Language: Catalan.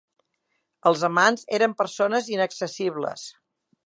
Els amants eren persones inaccessibles.